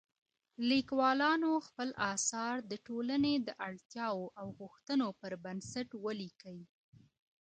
ليکوالانو خپل اثار د ټولني د اړتياوو او غوښتنو پر بنسټ وليکئ.